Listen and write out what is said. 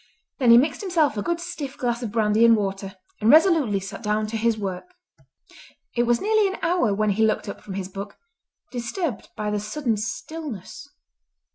Then he mixed himself a good stiff glass of brandy and water and resolutely sat down to his work. It was nearly an hour when he looked up from his book, disturbed by the sudden stillness.